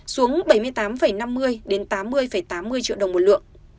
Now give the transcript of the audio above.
xuống bảy mươi tám năm mươi đến tám mươi tám mươi triệu đồng một lượng